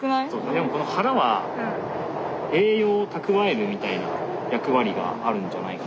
でもこの腹は栄養をたくわえるみたいな役割があるんじゃないかな？